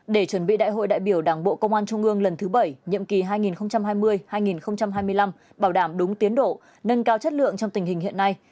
để chuẩn bị đại hội đại biểu đảng bộ công an trung ương lần thứ bảy nhiệm kỳ hai nghìn hai mươi hai nghìn hai mươi năm bảo đảm đúng tiến độ nâng cao chất lượng trong tình hình hiện nay